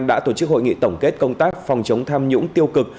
đã tổ chức hội nghị tổng kết công tác phòng chống tham nhũng tiêu cực